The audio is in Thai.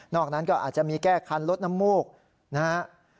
อกนั้นก็อาจจะมีแก้คันลดน้ำมูกนะฮะ